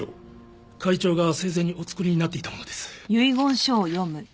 会長が生前にお作りになっていたものです。